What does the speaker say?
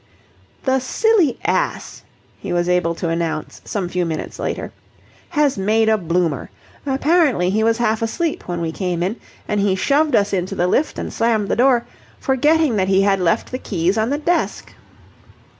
"The silly ass," he was able to announce some few minutes later, "has made a bloomer. Apparently he was half asleep when we came in, and he shoved us into the lift and slammed the door, forgetting that he had left the keys on the desk."